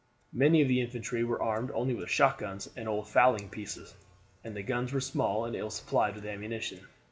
Many of the infantry were armed only with shot guns and old fowling pieces, and the guns were small and ill supplied with ammunition.